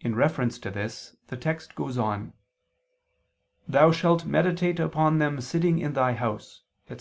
In reference to this, the text goes on: "thou shalt meditate upon them sitting in thy house," etc.